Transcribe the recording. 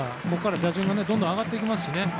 ここから打順がどんどん上がっていきますしね。